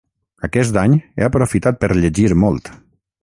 Aquest any he aprofitat per llegir molt.